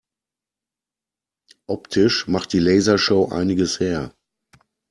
Optisch macht die Lasershow einiges her.